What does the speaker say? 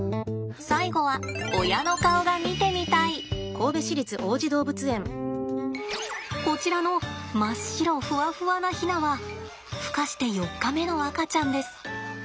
最後はこちらの真っ白フワフワなヒナはふ化して４日目の赤ちゃんです。